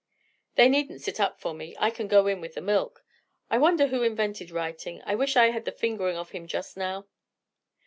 They needn't sit up for me I can go in with the milk. I wonder who invented writing? I wish I had the fingering of him just now!"